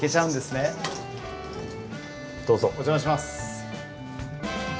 お邪魔します。